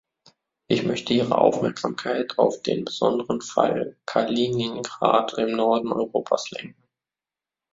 Ich möchte Ihre Aufmerksamkeit auf den besonderen Fall Kaliningrad im Norden Europas lenken.